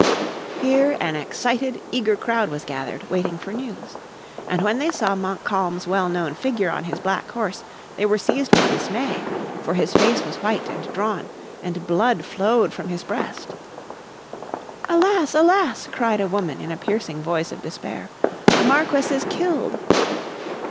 Here an excited, eager crowd was gathered, waiting for news. And when they saw Montcalm's well known figure on his black horse they were seized with dismay. For his face was white and drawn and blood flowed from his breast. "Alas! Alas!" cried a woman in a piercing voice of despair, "the Marquess is killed!"